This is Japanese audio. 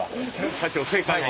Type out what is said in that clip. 社長正解は？